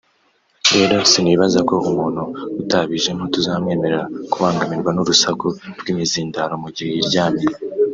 rero sinibaza ko umuntu utabijemo tuzamwemerera kubangamirwa nurusaku rw’imizindaro mugihe yiryamiye